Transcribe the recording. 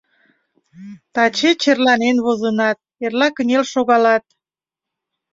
Таче черланен возынат — эрла кынел шогалат.